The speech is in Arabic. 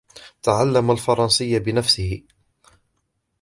تعلم الفرنسية بنفسه.